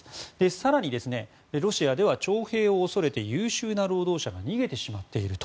更に、ロシアでは徴兵を恐れて優秀な労働者が逃げてしまっていると。